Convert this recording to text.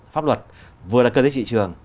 pháp luật vừa là cơ giới trị trường